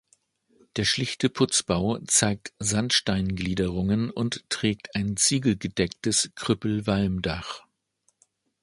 Der schlichte Putzbau zeigt Sandsteingliederungen und trägt ein ziegelgedecktes Krüppelwalmdach.